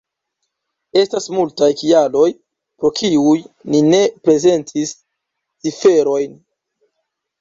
Estas multaj kialoj, pro kiuj ni ne prezentis ciferojn.